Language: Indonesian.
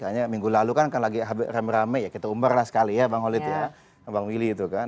hanya minggu lalu kan lagi ramai ramai ya kita umber lah sekali ya bang wili itu kan